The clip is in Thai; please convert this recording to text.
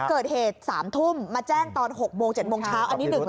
เกิดเหตุ๓ทุ่มมาแจ้งตอน๖โมง๗โมงเช้า